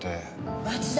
町田！